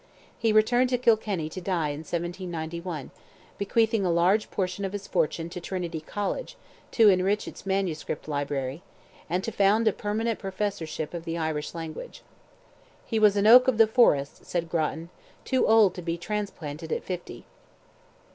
He returned to Kilkenny to die in 1791, bequeathing a large portion of his fortune to Trinity College, to enrich its MS. library, and to found a permanent professorship of the Irish language. "He was an oak of the forest," said Grattan, "too old to be transplanted at fifty."